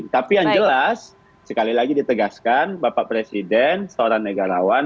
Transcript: tapi yang jelas sekali lagi ditegaskan bapak presiden seorang negarawan